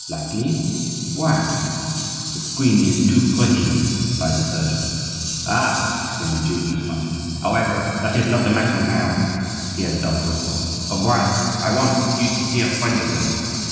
"Likely? Why?" "The queen is too pretty," replied the surgeon. "Ah!" exclaimed the duke in astonishment. "However, that is not the matter now," he added after a pause. "Ambroise, I want you to see a friend of yours."